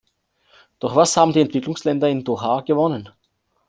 Doch was haben die Entwicklungsländer in Doha gewonnen?